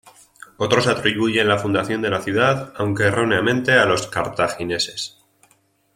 Otros atribuyen la fundación de la ciudad, aunque erróneamente, a los cartagineses.